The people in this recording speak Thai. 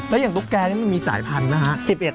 แล้วอย่างตุ๊กแกนี่มันมีสายพันธุ์นะฮะ